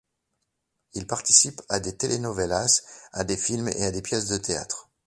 Il participe à des telenovelas, à des films et à des pièces de théâtre.